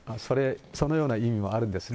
そのような意味もあるんですね。